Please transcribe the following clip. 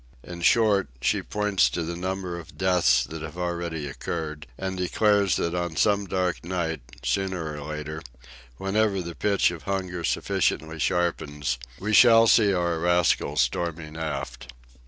In short, she points to the number of deaths that have already occurred, and declares that on some dark night, sooner or later, whenever the pinch of hunger sufficiently sharpens, we shall see our rascals storming aft.